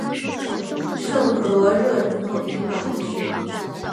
圣普罗热人口变化图示